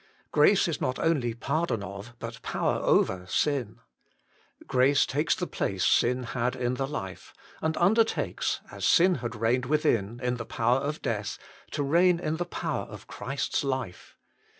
Grace is not only pardon of, but power over, sin ; grace takes the place sin had in the life, and undertakes, as sin had reigned within in the power of death, to reign in the power of Christ s life.